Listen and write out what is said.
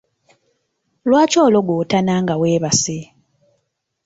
Lwaki ologootana nga weebase?